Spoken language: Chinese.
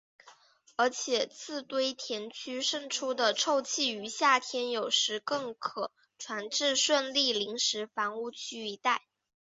而且自堆填区渗出的臭气于夏天有时更可传至顺利临时房屋区一带。